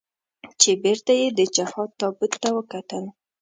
چې بېرته یې د جهاد تابوت ته وکتل.